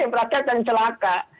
ini rakyat yang celaka